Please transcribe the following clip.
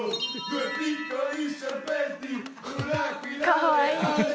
かわいい。